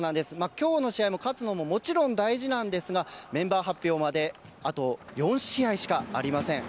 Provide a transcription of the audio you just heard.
今日の試合も勝つのももちろん大事なんですがメンバー発表まであと４試合しかありません。